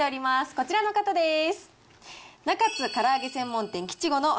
こちらの方です。